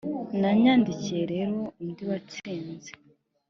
nanyandikiye rero undi watsinze